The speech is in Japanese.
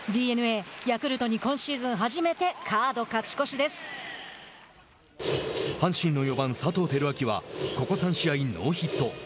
ＤｅＮＡ、ヤクルトに今シーズン初めて阪神の４番佐藤輝明はここ３試合ノーヒット。